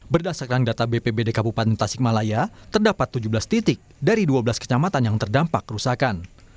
berdasarkan data bpbd kabupaten tasikmalaya terdapat tujuh belas titik dari dua belas kecamatan yang terdampak kerusakan